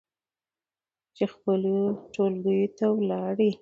چې خپلو ټولګيو ته ولاړې